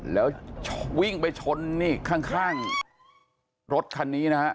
แล้ววิ่งไปชนนี่ข้างรถคันนี้นะฮะ